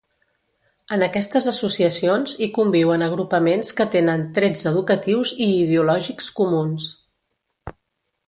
En aquestes associacions, hi conviuen agrupaments que tenen trets educatius i ideològics comuns.